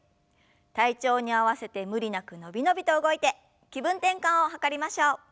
体調に合わせて無理なく伸び伸びと動いて気分転換を図りましょう。